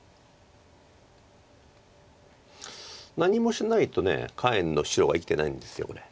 何もしないと下辺の白は生きてないんですよね。